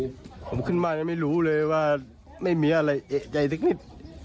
ผมขึ้นมายังไม่รู้เลยว่าไม่มีอะไรเอกใจสักนิด